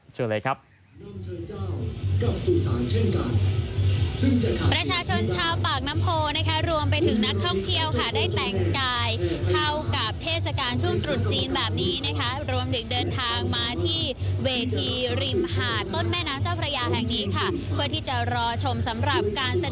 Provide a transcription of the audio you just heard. เชิญเลยครับ